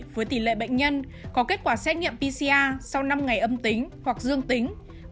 với tỷ lệ bệnh nhân có kết quả xét nghiệm pcr sau năm ngày âm tính hoặc dương tính